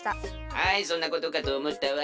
はいそんなことかとおもったわ。